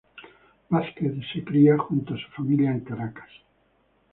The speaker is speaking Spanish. Vázquez se crio junto a su familia en Caracas.